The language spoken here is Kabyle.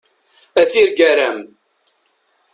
A tirgara-m!